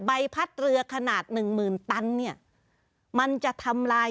ใบพัดเรือขนาดหนึ่งหมื่นตันเนี่ยมันจะทำลาย